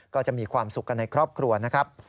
ก็จะมีความสุขกันในครอบครัวนะครับ